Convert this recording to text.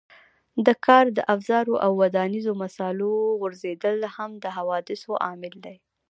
د کار د افزارو او ودانیزو مسالو غورځېدل هم د حوادثو عامل دی.